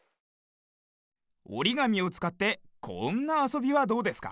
おりがみをつかってこんなあそびはどうですか？